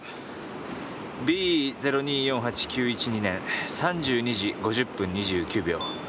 ０２４８９１２年３２時５０分２９秒。